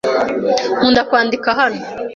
Nkunda kwandika hano.